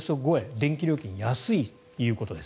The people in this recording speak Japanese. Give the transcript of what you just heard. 電気料金、安いということです。